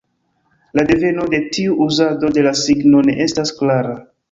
La deveno de tiu uzado de la signo ne estas klara.